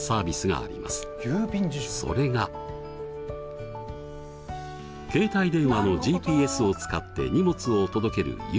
それが携帯電話のＧＰＳを使って荷物を届ける郵便サービス。